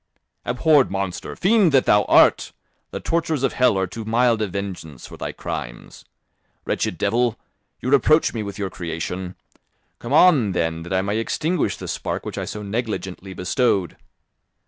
"Abhorred monster! Fiend that thou art! The tortures of hell are too mild a vengeance for thy crimes. Wretched devil! You reproach me with your creation, come on, then, that I may extinguish the spark which I so negligently bestowed."